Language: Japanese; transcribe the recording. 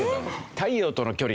太陽との距離